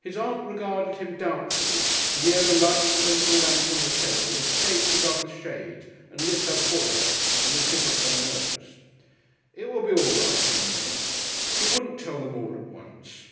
His Aunt regarded him doubtfully, the yellow light from the little lamp on the table escaped above the shade and lit her forehead and the tip of her nose. It would be all right in a minute. He wouldn't tell them all at once.